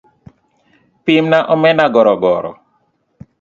pimna omena gorogoro